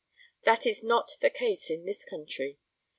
That is not the case in this country.